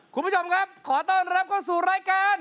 คุณผู้ชมครับขอต้อนรับเข้าสู่รายการ